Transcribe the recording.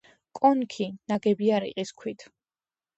კონქი ნაგებია რიყის ქვით.